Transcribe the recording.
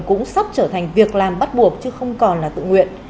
cũng sắp trở thành việc làm bắt buộc chứ không còn là tự nguyện